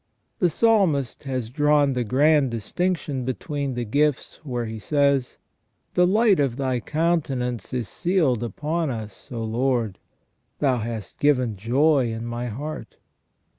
The Psalmist has drawn the grand distinction between the gifts where he says :" The light of Thy countenance is sealed upon us, O Lord; Thou hast given joy in my heart".